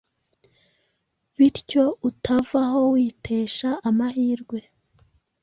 bityo utavaho witesha amahirwe